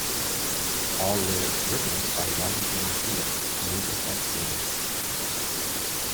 All lyrics written by Ronnie James Dio, music as stated.